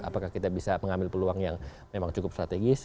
apakah kita bisa mengambil peluang yang memang cukup strategis